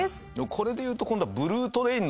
これで言うと今度は。